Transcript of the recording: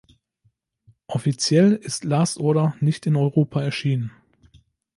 Offiziell ist "Last Order" nicht in Europa erschienen.